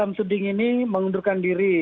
hamzudin ini mengundurkan diri